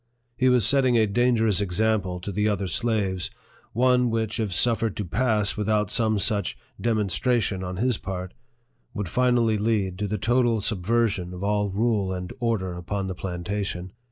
He was setting a dangerous example to the other slaves, one which, if suffered to pass without some such demon stration on his part, would finally lead to the total sub version of all rule and order upon the plantation.